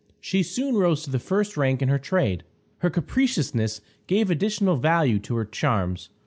She soon rose to the first rank in her trade. Her capriciousness gave additional value to her charms.